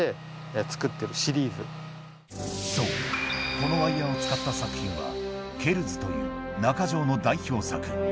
そうこのワイヤを使った作品はケルズというＮａｋａｊｏｈの代表作